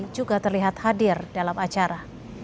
juga terlihat hadir dalam acara